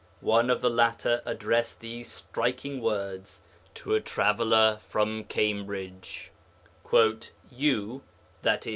One of the latter addressed these striking words to a traveller from Cambridge: 'You (i.e.